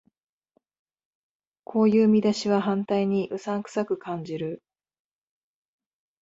こういう見出しは反対にうさんくさく感じる